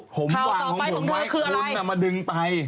ผมวางของผมหมายควรมาดึงไป